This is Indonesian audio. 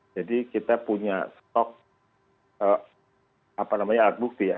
jadi kita punya stok alat bukti ya